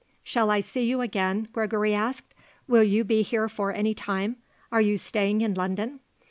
"Shall I see you again?" Gregory asked. "Will you be here for any time? Are you staying in London?"